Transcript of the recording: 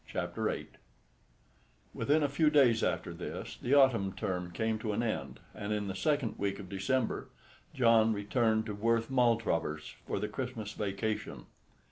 CHAPTER VIII Within a few days after this the autumn term came to an end, and in the second week of December John returned to Worth Maltravers for the Christmas vacation.